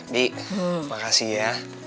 bi makasih ya